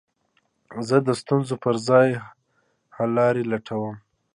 زه د ستونزو پر ځای، حللاري لټوم.